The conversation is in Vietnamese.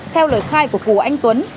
theo lời khai của cú anh tuấn